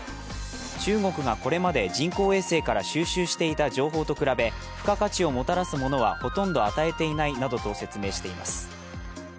中国がこれまで人工衛星から収集していた情報と比べ付加価値をもたらすものはほとんど与えていないなどと説明しています。